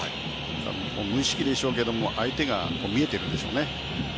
無意識でしょうけど相手が見えているんでしょうね。